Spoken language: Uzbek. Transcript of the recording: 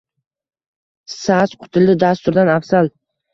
Saas qutili dasturdan afzal